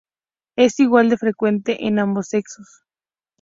Es igual de frecuente en ambos sexos.